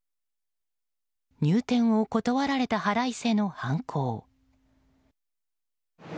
入店を断られた腹いせの犯行。